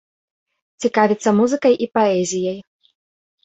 Цікавіцца музыкай і паэзіяй.